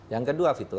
yang kedua fitul